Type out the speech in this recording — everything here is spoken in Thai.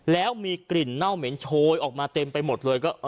แล้วมีกลิ่นเน่าเหม็นโชยออกมาเต็มไปหมดเลย